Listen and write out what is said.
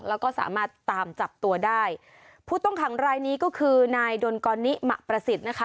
แล้วก็สามารถตามจับตัวได้ผู้ต้องขังรายนี้ก็คือนายดนกรนิมะประสิทธิ์นะคะ